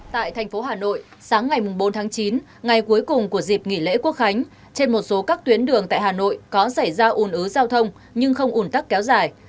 tại thành phố hà nội sáng ngày bốn tháng chín ngày cuối cùng của dịp nghỉ lễ quốc khánh trên một số các tuyến đường tại hà nội có xảy ra ủn ứ giao thông nhưng không ủn tắc kéo dài